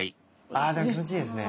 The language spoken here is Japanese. あでも気持ちいいですね。